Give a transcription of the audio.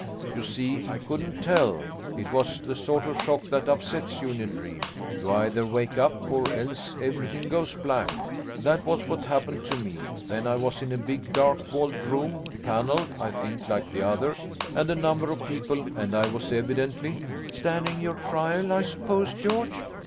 'You see, I couldn't tell: it was the sort of shock that upsets you in a dream. You either wake up or else everything goes black. That was what happened to me. Then I was in a big dark walled room, panelled, I think, like the other, and a number of people, and I was evidently ' 'Standing your trial, I suppose, George.'